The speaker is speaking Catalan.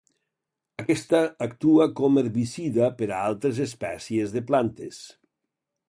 Aquesta actua com herbicida per a altres espècies de plantes.